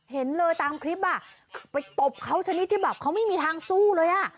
เห็นเลยตามคลิปอ่ะไปตบเขาชนิดที่แบบเขาไม่มีทางสู้เลยอ่ะ